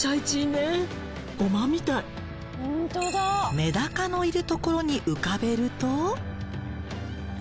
メダカのいるところに浮かべると。